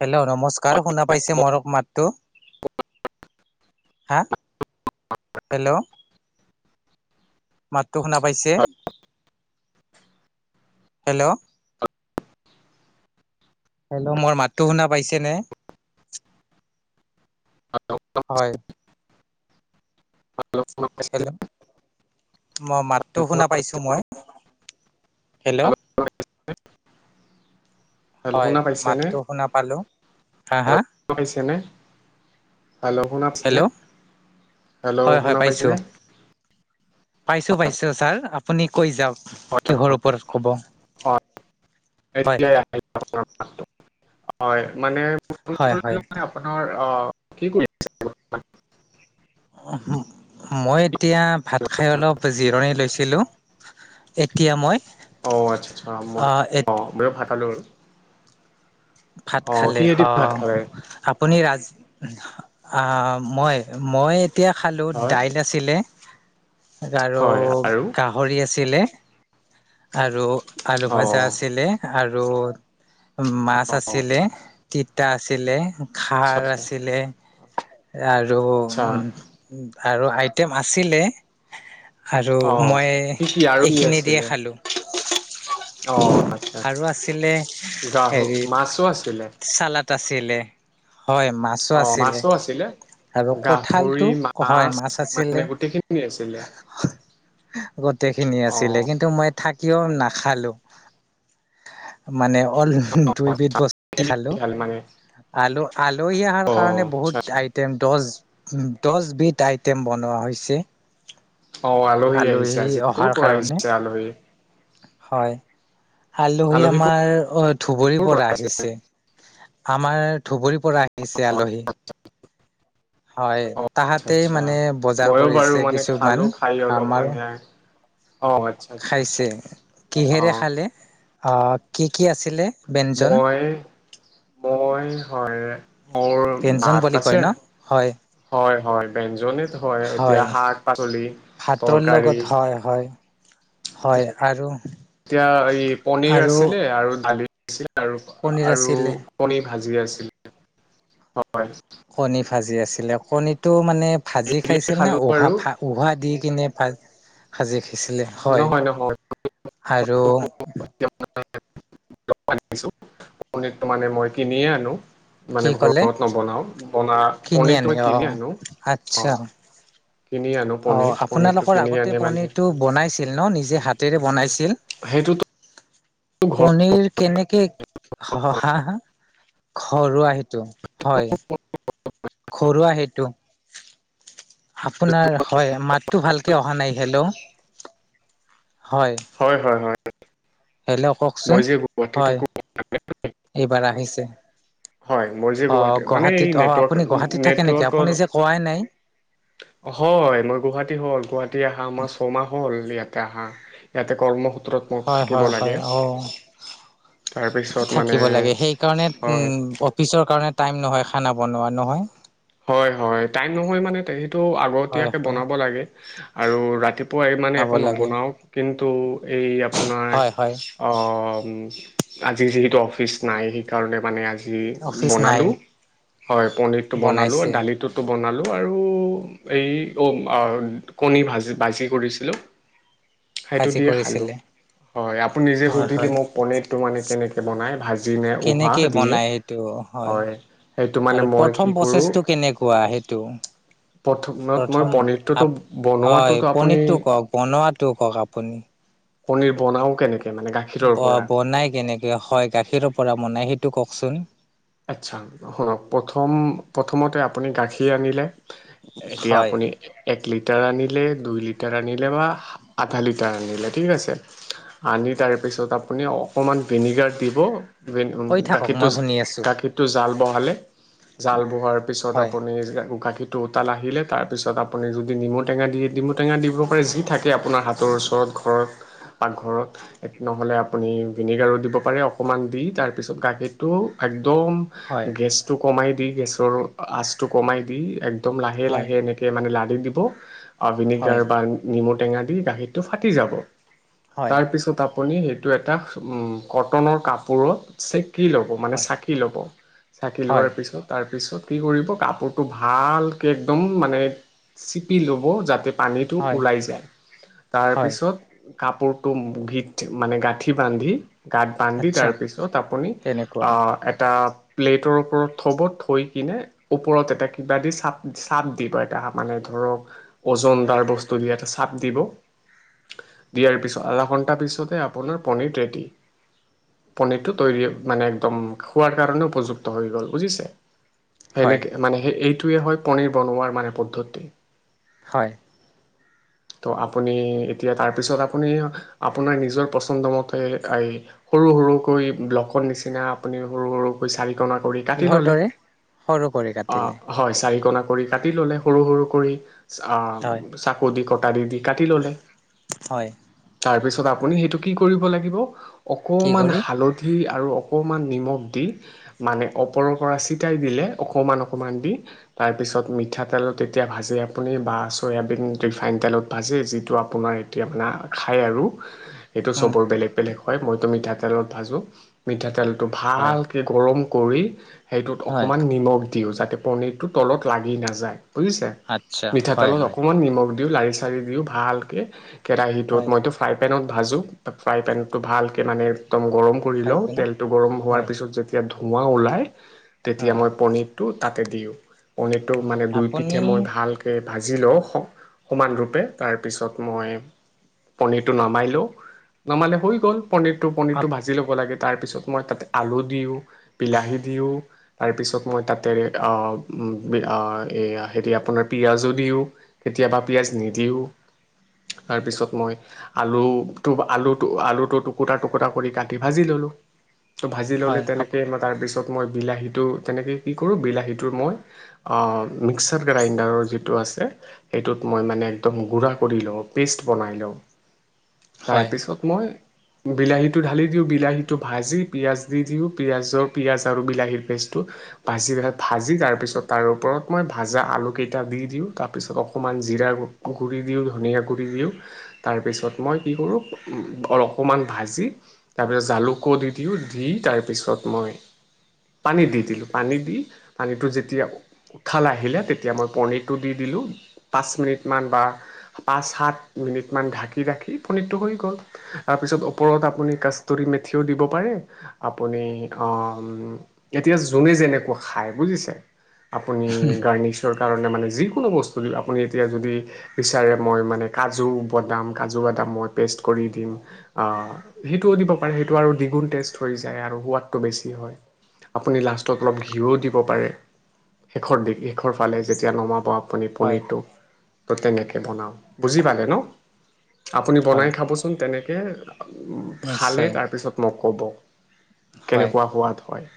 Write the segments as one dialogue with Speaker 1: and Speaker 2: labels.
Speaker 1: Hello নমস্কাৰ শুনা পাইছে মোৰ মাতটো হা হেল্ল'। মাতটো শুনা পাইছে? হেল্ল'। হেল্ল' মোৰ মাতটো শুনা পাইছেনে? হয়। হেল্ল'। মই মাতটো শুনা পাইছোঁ মই। হেল্ল'। হয়
Speaker 2: শুনা পাইছেনে?
Speaker 1: মাতটো শুনা পালো। হা হা?
Speaker 2: পাইছেনে? হেল্ল' শুনা পাইছেনে?
Speaker 1: হেল্ল' হয়
Speaker 2: হেল্ল'
Speaker 1: হয়
Speaker 2: শুনা
Speaker 1: পাইছো
Speaker 2: পাইছেনে?
Speaker 1: পাইছো পাইছো ছাৰ। আপুনি কৈ যাওক।
Speaker 2: হয়
Speaker 1: কিহৰ
Speaker 2: হয়
Speaker 1: ওপৰত ক'ব
Speaker 2: হয়
Speaker 1: হয়
Speaker 2: এতিয়া অহ। হয় মানে ফন
Speaker 1: হয় হয়
Speaker 2: কৰিবলৈ মানে আপোনাৰ অ', কি কৰি আছে বৰ্তমান?
Speaker 1: মই এতিয়া ভাত খাই অলপ জিৰণি লৈছিলোঁ। এতিয়া মই
Speaker 2: অ, আচ্ছা আচ্ছা। মই
Speaker 1: আহ
Speaker 2: অ', ময়ো ভাতা খালো আৰু।
Speaker 1: ভাত খালে হ।
Speaker 2: খালে?
Speaker 1: আপুনি ৰাজ। আ, মই মই তেতিয়া খালোঁ।
Speaker 2: হয়
Speaker 1: দাইল আছিলে। আৰু
Speaker 2: হয় আৰু
Speaker 1: গাহৰি আছিলে। আৰু আলু ভাজা
Speaker 2: অ'
Speaker 1: আছিলে আৰু মাছ
Speaker 2: অ'
Speaker 1: আছিলে, তিতা আছিলে,
Speaker 2: আচ্ছা
Speaker 1: খাৰ
Speaker 2: আচ্ছা
Speaker 1: আছিলে। আৰু উ
Speaker 2: আচ্ছা
Speaker 1: আৰু আইটেম আছিলে। আৰু
Speaker 2: অ'
Speaker 1: মই
Speaker 2: কি কি আৰু কি
Speaker 1: এইখিনি দিয়ে
Speaker 2: আছিলে?
Speaker 1: খালোঁ।
Speaker 2: অ' আচ্ছা আচ্ছা
Speaker 1: আৰু আছিলে
Speaker 2: গাহ
Speaker 1: হেৰি
Speaker 2: মাছো আছিলে
Speaker 1: চালাড। আছিলে। হয়, মাছো
Speaker 2: অ
Speaker 1: আছিলে।
Speaker 2: মাছো আছিলে
Speaker 1: আৰু কঠালটো।
Speaker 2: গাহৰি
Speaker 1: হয়, মাছ আছিলে।
Speaker 2: মানে গোটেইখিনি আছিলে
Speaker 1: গোটেই খিনি
Speaker 2: অ
Speaker 1: আছিলে। কিন্তু মই থাকিও একদম নাখালোঁ। মানে অল দুইবিধ
Speaker 2: কি
Speaker 1: বস্তুৱে খালোঁ।
Speaker 2: খালে মানে
Speaker 1: আলু, আলহী অহাৰ
Speaker 2: অ
Speaker 1: কাৰণে
Speaker 2: আচ্ছা
Speaker 1: বহুত
Speaker 2: আচ্ছা
Speaker 1: আইটেম দছ উ দছবিধ আইটেম বনোৱা হৈছে।
Speaker 2: অ', আলহী আহিছে আজি। ক'ৰ
Speaker 1: অহাৰ
Speaker 2: পৰা
Speaker 1: কাৰণে
Speaker 2: আহিছে আলহী?
Speaker 1: হয়, আলহী আমাৰ অ', ধুবুৰীৰ পৰা আহিছে। আমাৰ ধুবুৰীৰ পৰা আহিছে
Speaker 2: অ
Speaker 1: আলহী।
Speaker 2: [inaudible]
Speaker 1: হয়,
Speaker 2: আচ্ছা
Speaker 1: তাহাঁতেই
Speaker 2: আচ্ছা
Speaker 1: মানে বজাৰ
Speaker 2: ময়ো বাৰু
Speaker 1: কৰিছে
Speaker 2: মানে খালো
Speaker 1: কিছুমান
Speaker 2: খাই অলপ
Speaker 1: আমাৰ।
Speaker 2: মানে অ আচ্ছা আচ্ছা
Speaker 1: খাইছে
Speaker 2: অ
Speaker 1: কিহেৰে খালে? অহ কি কি আছিলে? ব্যঞ্জন
Speaker 2: মই মই হয়। মোৰ
Speaker 1: ব্যঞ্জন
Speaker 2: মাত
Speaker 1: বুলি কয়
Speaker 2: আছে।
Speaker 1: ন হয়
Speaker 2: হয় হয় বেঞ্জনি হয়, এতিয়া শাক-পাচলি
Speaker 1: ভাতৰ লগত
Speaker 2: তৰকাৰী।
Speaker 1: হয় হয় হয় আৰু
Speaker 2: এতিয়া এই পনিৰ
Speaker 1: আৰু
Speaker 2: আছিলে আৰু দালি।
Speaker 1: পনীৰ
Speaker 2: আৰু
Speaker 1: আছিলে
Speaker 2: কণীভাজি আছিল হয়।
Speaker 1: কণীভাজি আছিলে। কণীটো মানে ভাজি
Speaker 2: এইয়ে
Speaker 1: খাইছিল নে?
Speaker 2: খালো
Speaker 1: উহা
Speaker 2: আৰু
Speaker 1: উহা দি কিনে ভাজি দিছিলে হয়
Speaker 2: নহয় নহয়
Speaker 1: আৰু
Speaker 2: গৰম পানী আনিছোঁ, গৰম পানীতো মানে মই কিনিয়ে আনো।
Speaker 1: কি
Speaker 2: মানে
Speaker 1: ক'লে
Speaker 2: ঘৰত নবনাও বনা
Speaker 1: কিনি
Speaker 2: পণীৰটো
Speaker 1: আনি
Speaker 2: মই
Speaker 1: অ
Speaker 2: কিনি আনো অ'।
Speaker 1: আচ্ছা
Speaker 2: কিনি আনো
Speaker 1: অ'
Speaker 2: পনীৰ পনীৰটো
Speaker 1: আপোনালোকৰ
Speaker 2: কিনি
Speaker 1: আগতে
Speaker 2: আনি মানে
Speaker 1: পণীৰটো বনাইছিল ন নিজে হাতেৰে বনাইছিল?
Speaker 2: [inaudible]
Speaker 1: পনীৰ কেনেকে হ হা হা ঘৰুৱা হেইটো? হয়। ঘৰুৱা হেইটো। আপোনাৰ হয় মাতটো ভালকে অহা নাই হেল্ল'
Speaker 2: হয়, হয়, হয়।
Speaker 1: হেল্ল' কওঁকচোন
Speaker 2: মই যে গুৱাহাটী
Speaker 1: হয়।
Speaker 2: থাকো
Speaker 1: এইবাৰ আহিছে।
Speaker 2: হয় মই যে গুৱাহাটী
Speaker 1: অ'
Speaker 2: মানে এই
Speaker 1: গুৱাহাটীত অ'
Speaker 2: নেটৱৰ্ক
Speaker 1: আপুনি গুৱাহাটীত থাকে নেকি?
Speaker 2: নেটৱৰ্কৰ
Speaker 1: আপুনি যে কোৱাই নাই।
Speaker 2: হয়, মই গুৱাহাটী হ'ল গুৱাহাটী অহা আমাৰ ছমাহ হ'ল ইয়াত ইয়াতে আহা ইয়াতে কৰ্ম
Speaker 1: হয়, হয়, হয়, অ'।
Speaker 2: তাৰপিছত মানে
Speaker 1: থাকিব লাগে। সেইকাৰণে
Speaker 2: হয়
Speaker 1: উম, অফিচৰ কাৰণে টাইম নহয় খানা বনোৱা নহয়?
Speaker 2: হয়, হয় টাইম নহয় মানে সেইটো
Speaker 1: হয়
Speaker 2: আগতীয়াকে
Speaker 1: হয়
Speaker 2: বনাব লাগে আৰু ৰাতিপুৱা মানে
Speaker 1: খাব
Speaker 2: একো
Speaker 1: লাগে
Speaker 2: নবনাও। কিন্তু এই আপোনাৰ
Speaker 1: হয় হয়
Speaker 2: অহ' আজি যিহেতু অফিচ নাই, সেইকাৰণে মানে আজি জি
Speaker 1: অফিচ নাই
Speaker 2: বনালোঁ হয় পণীৰটো বনালোঁ
Speaker 1: বনাইছে
Speaker 2: দালিটো বনালোঁ আৰু ইয় অ' আ কণী ভাজি ভাজি কৰিছিলোঁ। সেইটো
Speaker 1: ভাজি
Speaker 2: দিয়ে খালোঁ
Speaker 1: কৰিছিলে
Speaker 2: হয় আপুনি নিজে
Speaker 1: হয়
Speaker 2: সুধিলে
Speaker 1: হয়
Speaker 2: মোক পণীৰতটো মানে কেনেকে বনাই ভাজি‌ নে উহা
Speaker 1: কেনেকে
Speaker 2: দিয়ে
Speaker 1: বনাই সেইটো
Speaker 2: হয় সেইটো মানে
Speaker 1: আৰু
Speaker 2: মই
Speaker 1: প্ৰথম
Speaker 2: কি কৰোঁ।
Speaker 1: প্ৰচেছটো কেনেকুৱা সেইটো প্ৰথম
Speaker 2: পথ-মই-মই-পনীৰটোতো
Speaker 1: আপ হয়
Speaker 2: বনোৱাটোটো আপুনি
Speaker 1: পনী
Speaker 2: পনীৰ বনাও কেনেক
Speaker 1: ব' বনাই কেনেকে? হয় গাখীৰৰ পৰা বনাই সেইটো কওঁকচোন।
Speaker 2: আচ্ছা, শুনক প্ৰথম প্ৰথমতে আপুনি গাখীৰ আনিলে। এতিয়া
Speaker 1: হয়
Speaker 2: আপুনি এক লিটাৰ আনি লে দুই লিটাৰ আনিলে বা আধা লিটাৰ আনিলে, ঠিক আছে। আনি তাৰপিছত আপুনি অকমান ভিনেগাৰ দিব
Speaker 1: কৈ
Speaker 2: [unintelligible]
Speaker 1: থাকক
Speaker 2: গাখীৰটো
Speaker 1: মই শুনি আছোঁ
Speaker 2: গাখীৰটো জাল বহালে, জাল বহোৱাৰ পিছত
Speaker 1: হয়
Speaker 2: আপুনি [unintelligible] গাখীৰটোত তাল আহিলে তাৰপিছত আপুনি যদি নিমু টেঙা দিয়ে, নিমু টেঙা দিব পাৰে যি থাকে আপোনাৰ হাতৰ ওচৰত ঘৰ ৰত। পাকঘৰত, নহ'লে আপুনি ভিনেগাৰো দিব পাৰে অকণমান দি তাৰপিছত গাখীৰটো একদম
Speaker 1: হয়
Speaker 2: গেছটো কমাই দি গেছৰ আচটো কমাই দি এক দম লহে
Speaker 1: হয়
Speaker 2: লহে এনেকে মানে লাৰি দিব অ',
Speaker 1: হয়
Speaker 2: ভিনেগাৰ বা নেমু টেঙা দি গাখীৰটো ফাটি যাব
Speaker 1: হয়
Speaker 2: তাৰপিছত আপ পুনি সেইটো এটা কটনৰ কাপোৰত চেকি ল'ব মানে
Speaker 1: হয়
Speaker 2: চে কী ল'ব চাকী
Speaker 1: হয়
Speaker 2: লোৱাৰ পাছত তাৰ তাৰপিছত কি কৰিব কাপোৰটো ভালকে একদম মানে চিপি ল'ব যাতে পানীটো
Speaker 1: হয়
Speaker 2: ওলাই যায়
Speaker 1: হয়
Speaker 2: তাৰপিছত কাপোৰটো [unintelligible] মানে গাঁঠি বান্ধি গাত বান্ধি
Speaker 1: আচ্ছা
Speaker 2: তাৰ পিছত আপুনি
Speaker 1: তেনেকুৱা
Speaker 2: অ'। এটা প্লেটৰ ওপৰত থ'ব থৈ কিনে ওপৰত এটা কিবা দি চাপ চাপ দিবা। এটা মানে ধৰক ওজন দাৰ বস্তু দি এটা চাপ দিব। দিয়াৰ পিছত আধা ঘণ্টা পিছতে আপোনাৰ পণীৰ ৰেডি পণীতো তৈৰী মানে একদম খোৱাৰ কাৰণে উপযুক্ত হৈ গ'ল বুজি
Speaker 1: হয়
Speaker 2: সেনেকে মানে এই হয়, পনীৰ বনোৱাৰ মানে পদ্ধতি
Speaker 1: হয়।
Speaker 2: [inaudible] তো আপুনি এতিয়া তাৰপিছত আপুনি আপোনাৰ নিজৰ পচন্দমতে এই সৰু ৰ সৰুকৈ ব্লকত নিচিনা আপুনি সৰু সৰুকৈ চা ৰি কোণা কৰি কাটি
Speaker 1: কিহৰ
Speaker 2: ল'লে
Speaker 1: দৰে সৰু কৰি
Speaker 2: অ'
Speaker 1: কাটিলে
Speaker 2: হয় চাৰি কোণা কৰি কাটি ল'লে সৰু সৰু কৰি
Speaker 1: হয়
Speaker 2: চাকু দি কটাৰি দি দি কাটি ল'লে,
Speaker 1: হয়
Speaker 2: তাৰপিছত আপুনি সেইটো কি কৰিব লাগিব।
Speaker 1: কি
Speaker 2: অকণমান
Speaker 1: কৰি
Speaker 2: হালধি আৰু অকণমান নিমখ দি মানে ওপৰৰ পৰা চেতিয়াই দিলে অকমান অকমান দি তাৰপিছত মিঠাতেল তেতিয়া ভাজে আপুনি বা চয়াবিন ৰিফাইন তেলত ভাজে যিটো আপোনাৰ এতিয়া মানে খাই আৰু সেইটো
Speaker 1: উম
Speaker 2: চবৰে বেলেগে বেলেগে হয়। মইতো মিঠাতেলত ভাজোঁ মিঠাতেলটো
Speaker 1: হয়
Speaker 2: ভাল গৰম কৰি সেইটোত
Speaker 1: হয়
Speaker 2: অকণমান নিমখ দিওঁ যাতে পনীৰটো তলত লাগি নাযায়। বুজিছে
Speaker 1: আচ্ছা হয়
Speaker 2: মিঠাতেলত
Speaker 1: হয়
Speaker 2: অকমান নিমখ দিওঁ লাৰি চাৰি দিওঁ ভালকে কেৰাহীটোত
Speaker 1: হয়
Speaker 2: মইতো ফ্ৰাই পেনত ভাজোঁ ফ্ৰাই পেনটো ভালকৈ মানে একদম গৰম কৰি
Speaker 1: ফ্ৰাই
Speaker 2: লওঁ,
Speaker 1: পেনত
Speaker 2: তেলটো গৰম হোৱাৰ
Speaker 1: হয়
Speaker 2: পিছত যেতিয়া ধোৱা ওলাই
Speaker 1: হয়
Speaker 2: তেতিয়া মই
Speaker 1: হয়
Speaker 2: পনীৰটো তাতে দিওঁ। পনিৰটো
Speaker 1: অ'
Speaker 2: মানে দুই পিঠে
Speaker 1: আপুনি
Speaker 2: মই ভালকে ভাজি লওঁ সমানৰূপে তাৰপিছত মই পনিৰটো নমাই লওঁ, নমালে হৈ গ'ল। পনীৰটো
Speaker 1: আপ
Speaker 2: পনীৰটো ভাজি ল'ব লাগে। তাৰপিছত মই তাতে আলু দিওঁ। বিলাহী দিওঁ তাৰপিছত মই তাতে অ', অ', এ এয়া হেৰি আপোনাৰ পিয়াঁজো দিওঁ, কেতিয়াবা পিয়াঁজ নিদিওঁ। তাৰপিছত মই আলুটো আলু আলুটো টুকুটা টুকুটা কৰি কাটি ভাজি ল' ভাজি ল'লে
Speaker 1: হয় আপ
Speaker 2: তেনেক দিলো তাৰপিছত মই বিলাহীটো তেনেকে কি কৰোঁ বিলাহীটোৰ মই অ', মিক্সাৰ গ্ৰাইণ্ডাৰ আৰু যিটো আছে সেইটোত মই মানে একদম গুৰা কৰি লওঁ, পেষ্ট বনাই লওঁ।
Speaker 1: হয়
Speaker 2: তাৰপিছত মই বিলাহীটো ঢালি দিওঁ বিলাহীটো ভাজি পিয়াঁজ দি দিওঁ। পিয়াঁজক পিয়াঁজ আৰু বিলাহী পেষ্টটো [unintelligible] ভাজি তাৰপিছত তাৰ ওপৰত মই ভাজা আলুকেইটা দি দিওঁ তাৰপিছত অকণমান জিৰা গুৰি দিওঁ ধনিয়া গুৰি দিওঁ তাৰপিছত মই কি কৰোঁ অকণমান ভাজি তাৰপিছত জালুকো দি দিওঁ দি তাৰছ পিছত মই পানীত দি দিলোঁ পানী দি পানীটো যেতিয়া [unintelligible] আহিলে তেতিয়া মই পনীটো দি দিল লো পাঁচ মিনিটমান বা পাঁচ সাত মিনিটমান ঢাকি ৰাখি পনীৰটো হৈ গ'ল। তাৰপিছত ওপৰত আপুনি কস্তুৰী মেথিও দিব পাৰে। পুনি অ', এতিয়া যোনে যেনেকুৱা খাই বুজিছে। আপুনি গাৰ্ণিছৰ কাৰণে মানে যিকোনো বস্তু, আপুনি এতিয়া যদি বিচাৰে, মই মানে কাজু, বাদাম কাজু বাদাম মই পেষ্ট কৰি দিম, অ', সেইটোও দিব পাৰে, সেইটো আৰু দুগুন টেষ্ট হৈ যায়। তে আৰু সোৱাদটো অলপ বেছি হয়, আপুনি লাষ্টত অলপ ঘিঁউও দিব পাৰে। শেষৰ দি শেষৰ ফালে যেতিয়া নমাব। মানে
Speaker 1: হয়
Speaker 2: পনীৰটো ত' তেনেকে বনাও, বুজি পালে ন'? আপুনি বনাই
Speaker 1: হয়
Speaker 2: খাবচোন তেনেকে, খালে
Speaker 1: নিশ্চয়
Speaker 2: তাৰপিছত মোক ক'ব।
Speaker 1: হয়
Speaker 2: কেনেকুৱা সোৱাদ হয়।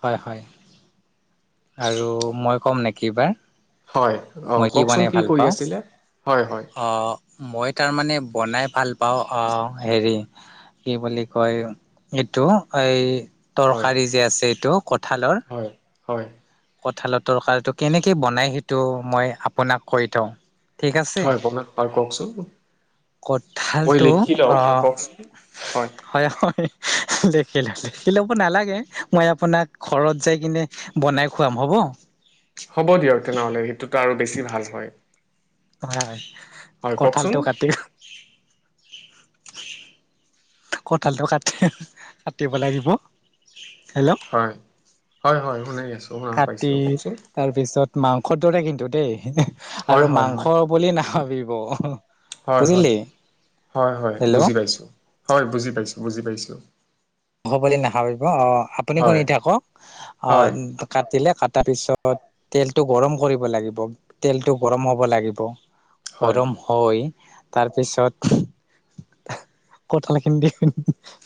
Speaker 1: হয়, হয়। আৰু মই কম নেকি এইবাৰ?
Speaker 2: হয়, অ',
Speaker 1: মই
Speaker 2: কওঁকচোন
Speaker 1: বনাই
Speaker 2: কি
Speaker 1: ভাল
Speaker 2: কৈ
Speaker 1: পাওঁ
Speaker 2: আছিলে? হয় হয়
Speaker 1: অ', মই তাৰমানে বনাই ভাল পাওঁ, অ', হেৰি, কি বুলি কয় এইটো এই
Speaker 2: হয়
Speaker 1: তৰকাৰী যে আছে এইটো কঁঠালৰ।
Speaker 2: হয় হয়
Speaker 1: কঁঠালৰ তৰকাৰীটো কেনেকে বনাই সেইটো মই আপোনাক কৈ থওঁ। ঠিক আছে
Speaker 2: হয় প্ৰমোৰ, কওকচোন। মই
Speaker 1: কঁঠালটো,
Speaker 2: লিখি লওঁ হয়
Speaker 1: অ'হ
Speaker 2: কওকচোন।
Speaker 1: হয়, হয় দেখিলা, দেখিলা কিলে'ব নালাগে, মই আপোনাক ঘৰত যাই কিনে বনাই খুৱাম হ'ব।
Speaker 2: হ'ব দিয়ক তেনেহ'লে সেইটোতো আৰু বেছি ভাল হয়।
Speaker 1: হয়, হয়
Speaker 2: হয় কওকচোন
Speaker 1: কঁঠালটো কাটি কঁঠালটো কাটি, কাটিব লাগিব। হেল্ল'
Speaker 2: হয়, হয়, হয়, শুনি আছোঁ শুনা
Speaker 1: কাটি
Speaker 2: পাইছোঁ কওকচোন
Speaker 1: তাৰপিছত, মাংসৰ দৰে কিন্তু দেই।
Speaker 2: হয়
Speaker 1: আৰু
Speaker 2: হয় হয়।
Speaker 1: মাংস বুলি নাভাবিব।
Speaker 2: হয়, হয়,
Speaker 1: বুজিলি
Speaker 2: হয় হয়,
Speaker 1: হেল্ল'
Speaker 2: বুজি পাইছো। হয়, বুজি পাইছোঁ, বুজি পাইছোঁ।
Speaker 1: হব বুলি নাভাবিব অ', আপুনি শুনি
Speaker 2: হয়
Speaker 1: থাকক অ',
Speaker 2: হয়
Speaker 1: কাটিলে তাৰপিছত তেলটো গৰম কৰিব লাগিব, তেলটো গৰম হ'ব লাগিব।
Speaker 2: হয়
Speaker 1: গৰম হৈ তাৰপিছত কঠাল খিনি দি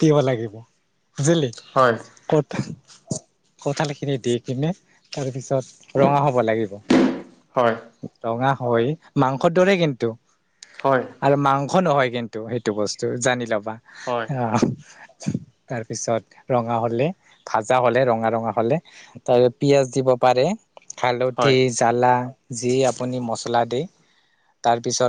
Speaker 1: দিব লাগিব। বুজিলি,
Speaker 2: হয়
Speaker 1: কঠ, কঠাল খিনি দি কিনে তাৰপিছত ৰঙা হ'ব লাগিব,
Speaker 2: হয়
Speaker 1: ৰঙা হৈ মাংসৰ দৰে কিন্তু।
Speaker 2: হয়
Speaker 1: আৰু মাংস নহয় কিন্তু, সেইটো বস্তু জানি ল'বা
Speaker 2: হয়
Speaker 1: আ'হ। তাৰপিছত ৰঙা হ'লে, ভাজা হ'লে ৰঙা, ৰঙা হ'লে, তাতে পিয়াঁজ দিব পাৰে। হালধি,
Speaker 2: হয়
Speaker 1: জ্বালা যি আপুনি মছলা দি তাৰপিছত